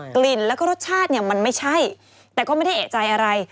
กลิ่นแล้วก็รสชาติเนี่ยมันไม่ใช่แต่ก็ไม่ได้เอกใจอะไร